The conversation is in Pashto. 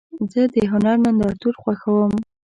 زه د هنر نندارتون خوښوم.